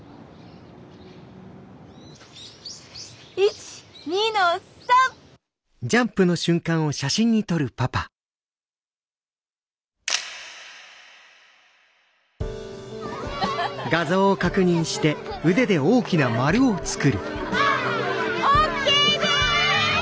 １２の３！ＯＫです！